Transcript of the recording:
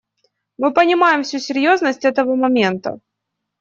Мы понимаем всю серьезность этого момента.